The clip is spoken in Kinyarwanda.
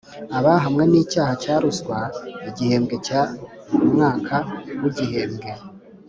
Abahamwe n icyaha cya ruswa igihembwe cya umwaka wa igihembwe